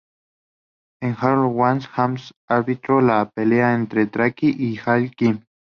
En Hardcore War, Hemme arbitró la pelea entre Traci y Gail Kim.